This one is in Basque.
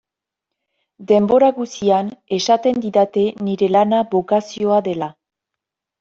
Denbora guztian esaten didate nire lana bokazioa dela.